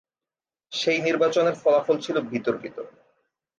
সেই নির্বাচনের ফলাফল ছিল বিতর্কিত।